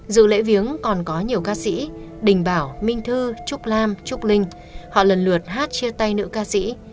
dự lễ viếng còn có nhiều ca sĩ đình bảo minh thư trúc lam trúc linh họ lần lượt hát chia tay nữ ca sĩ